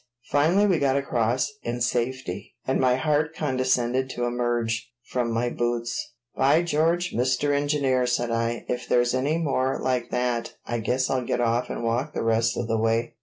Finally we got across in safety, and my heart condescended to emerge from my boots. "By George, Mr. Engineer!" said I. "If there's any more like that, I guess I'll get off and walk the rest of the way."